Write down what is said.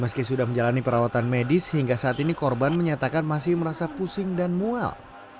meski sudah menjalani perawatan medis hingga saat ini korban menyatakan masih merasa pusing dan mual